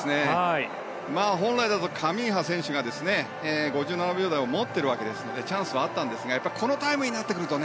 本来だとカミンハ選手が５７秒台を持ってるわけですからチャンスはあったんですがこのタイムになってくると